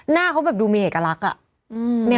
หน้าเขาแบบดูมีเอกลักษณ์อะ